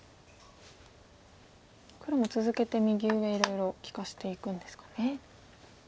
黒も続けて右上いろいろ利かしていくんですかね。